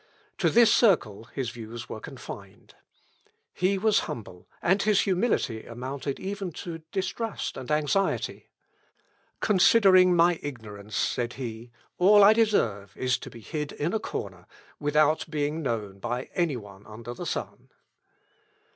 To this circle his views were confined. He was humble, and his humility amounted even to distrust and anxiety. "Considering my ignorance," said he, "all I deserve is to be hid in a corner, without being known by any one under the sun."